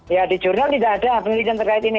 ya di jurnal tidak ada penelitian terkait ini